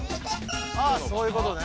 ああそういうことね。